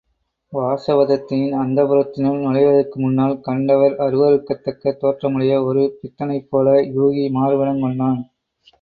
வாசவதத்தையின் அந்தப்புரத்தினுள் நுழைவதற்கு முன்னால், கண்டவர் அருவருக்கத்தக்க தோற்றமுடைய ஒரு பித்தனைப்போல யூகி மாறுவேடங் கொண்டான்.